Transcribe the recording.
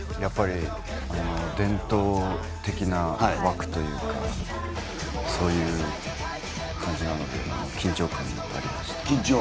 伝統的な枠というかそういう感じなので緊張感がありました。